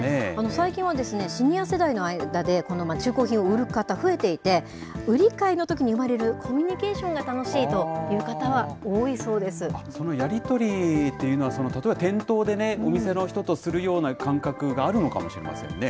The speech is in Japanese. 最近は、シニア世代の間で、中古品を売る方、増えていて、売り買いのときに生まれるコミュニケーションが楽しいという方は多そのやり取りというのは、例えば店頭でお店の人とするような感覚があるのかもしれませんね。